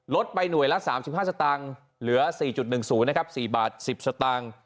ไปหน่วยละ๓๕สตางค์เหลือ๔๑๐นะครับ๔บาท๑๐สตางค์